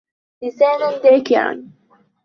لِسَانًا ذَاكِرًا